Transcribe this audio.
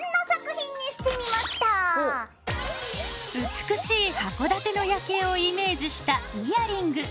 美しい函館の夜景をイメージしたイヤリング。